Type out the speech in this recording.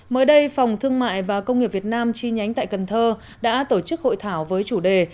mới đây phòng thương mại và công nghiệp việt nam chi nhánh tại cần thơ đã tổ chức hội thảo với chủ đề